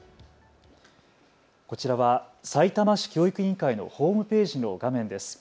こちらはさいたま市教育委員会のホームページの画面です。